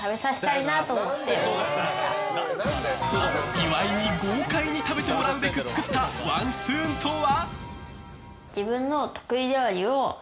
岩井に豪快に食べてもらうべく作ったワンスプーンとは？